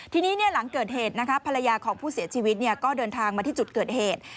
ทีนี้หลังเกิดเหตุภรรยาของผู้เสียชีวิตก็เดินทางมาที่จุดเกิดเหตุ